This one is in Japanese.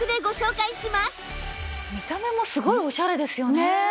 見た目もすごいオシャレですよね。